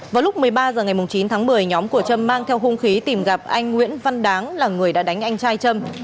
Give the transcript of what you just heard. vào lúc một mươi ba h ngày chín tháng một mươi nhóm của trâm mang theo hung khí tìm gặp anh nguyễn văn đáng là người đã đánh anh trai trâm